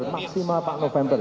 maksimal pak november